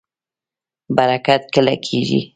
برکت کله کیږي؟